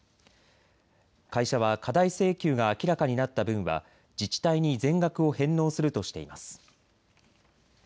会社は過大請求が明らかになった分は自治体に全額を返納するとしています。